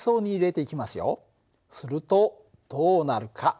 するとどうなるか。